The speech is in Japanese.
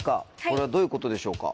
これはどういうことでしょうか？